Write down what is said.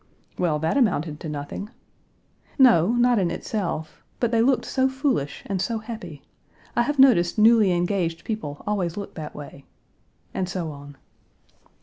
"Well, that amounted to nothing." "No, not in itself. But they looked so foolish and so happy. I have noticed newly engaged people always look that way." And so on.